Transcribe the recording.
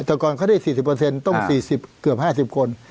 แต่ก่อนเขาได้๔๐ต้อง๔๐เกือบ๕๐คน